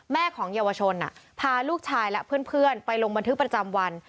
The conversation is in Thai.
ของเยาวชนพาลูกชายและเพื่อนไปลงบันทึกประจำวัน